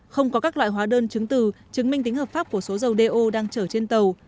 không có các loại hóa đơn chứng từ chứng minh tính hợp pháp của số dầu do đang chở trên tàu